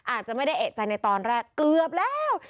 อาจจะไม่ได้เอกใจในตอนแรกเกือบแล้ว